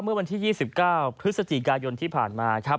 เมื่อวันที่๒๙พฤศจิกายนที่ผ่านมาครับ